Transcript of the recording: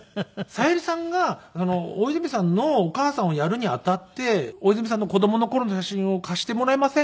小百合さんが大泉さんのお母さんをやるにあたって「大泉さんの子供の頃の写真を貸してもらえませんか？」